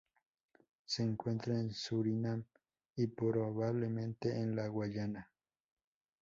Se encuentra en Surinam y, probablemente, en la Guayana.